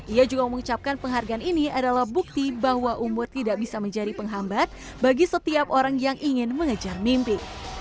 ia juga mengucapkan penghargaan ini adalah bukti bahwa umur tidak bisa menjadi penghambat bagi setiap orang yang ingin mengejar mimpi